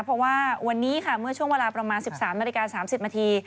เพราะว่าวันนี้ค่ะเมื่อช่วงเวลาประมาณ๑๓นาฬิกา๓๐นาที